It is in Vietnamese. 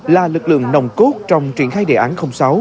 là lực lượng nồng cốt trong triển khai đề án sáu